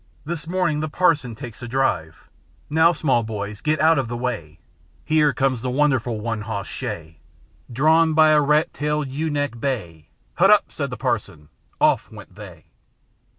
This morning the parson takes a drive. Now, small boys, get out of the way! Here comes the wonderful one hoss shay. Drawn by a rat tailed, ewe necked bay, " Huddup 1 " said the parson. â Off went they.